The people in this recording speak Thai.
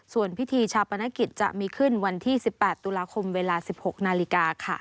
ส่วนพิธีชาปนกิจจะมีขึ้นวันที่๑๘ตุลาคมเวลา๑๖นาฬิกาค่ะ